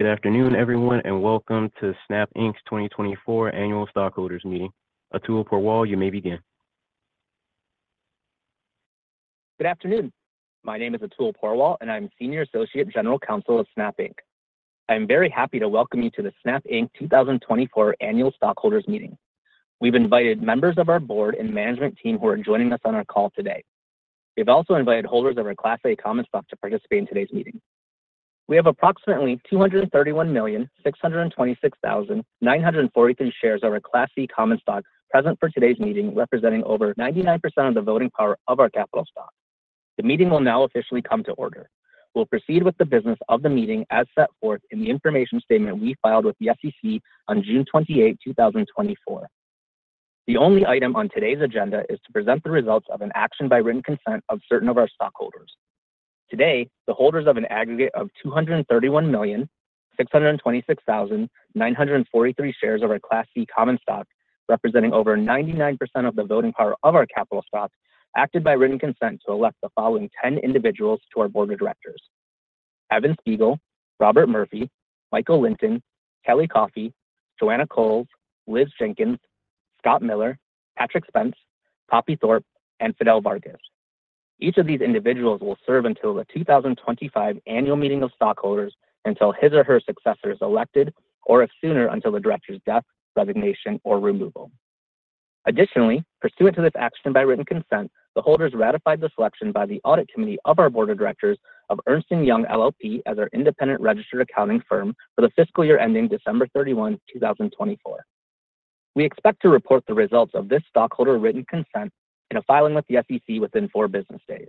Good afternoon, everyone, and welcome to Snap Inc.'s 2024 Annual Stockholders Meeting. Atul Porwal, you may begin. Good afternoon. My name is Atul Porwal, and I'm Senior Associate General Counsel of Snap Inc. I'm very happy to welcome you to the Snap Inc. 2024 Annual Stockholders Meeting. We've invited members of our board and management team who are joining us on our call today. We've also invited holders of our Class A common stock to participate in today's meeting. We have approximately 231,626,943 shares of our Class C common stock present for today's meeting, representing over 99% of the voting power of our capital stock. The meeting will now officially come to order. We'll proceed with the business of the meeting as set forth in the information statement we filed with the SEC on June 28, 2024. The only item on today's agenda is to present the results of an action by written consent of certain of our stockholders. Today, the holders of an aggregate of 231,626,943 shares of our Class C common stock, representing over 99% of the voting power of our capital stock, acted by written consent to elect the following 10 individuals to our board of directors: Evan Spiegel, Robert Murphy, Michael Lynton, Kelly Coffey, Joanna Coles, Liz Jenkins, Scott Miller, Patrick Spence, Poppy Thorpe, and Fidel Vargas. Each of these individuals will serve until the 2025 Annual Meeting of Stockholders, until his or her successor is elected, or if sooner, until the director's death, resignation, or removal. Additionally, pursuant to this action by written consent, the holders ratified the selection by the Audit Committee of our Board of Directors of Ernst & Young LLP as our independent registered public accounting firm for the fiscal year ending December 31, 2024. We expect to report the results of this stockholder written consent in a filing with the SEC within four business days.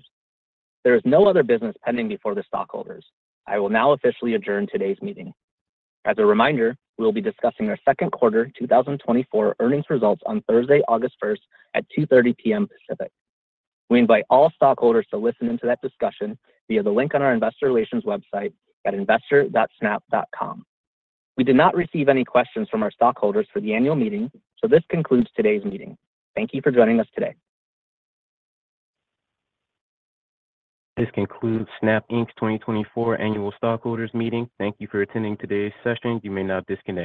There is no other business pending before the stockholders. I will now officially adjourn today's meeting. As a reminder, we will be discussing our Q2 2024 earnings results on Thursday, August 1 at 2:30 P.M. Pacific. We invite all stockholders to listen in to that discussion via the link on our investor relations website at investor.snap.com. We did not receive any questions from our stockholders for the annual meeting, so this concludes today's meeting. Thank you for joining us today. This concludes Snap Inc.'s 2024 Annual Stockholders Meeting. Thank you for attending today's session. You may now disconnect.